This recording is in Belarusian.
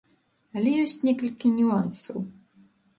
Але ёсць некалькі нюансаў.